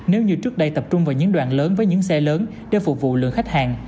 nếu như trước đây tập trung vào những đoàn lớn với những xe lớn để phục vụ lượng khách hàng